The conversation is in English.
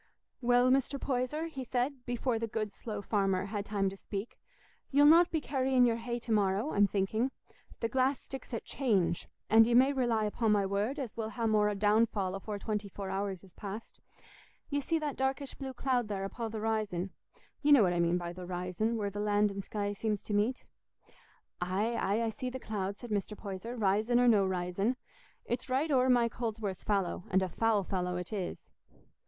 "Well, Mr. Poyser," he said, before the good slow farmer had time to speak, "ye'll not be carrying your hay to morrow, I'm thinking. The glass sticks at 'change,' and ye may rely upo' my word as we'll ha' more downfall afore twenty four hours is past. Ye see that darkish blue cloud there upo' the 'rizon—ye know what I mean by the 'rizon, where the land and sky seems to meet?" "Aye, aye, I see the cloud," said Mr. Poyser, "'rizon or no 'rizon. It's right o'er Mike Holdsworth's fallow, and a foul fallow it is."